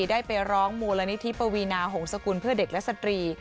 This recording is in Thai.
ได้ไปร้องมูลนิธิปวีนาหงษกุลเพื่อเด็กและสตรี